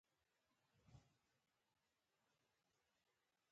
دوی داسې یوو په خبرو یې غوږ نه ږدي.